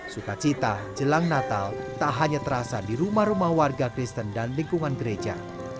sukacita jelang natal tak hanya terasa di rumah rumah warga kristen dan lingkungan gereja